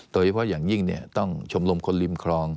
โดยเฉพาะอย่างยิ่งต้องชมรมคนริมคลอง